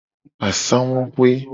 Asanguxue.